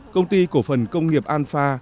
công ty cổ phần công nghiệp anpha